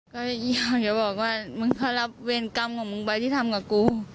ก็อยากจะบอกว่ามึงเขารับเวรกรรมของมึงไปที่ทำกับกู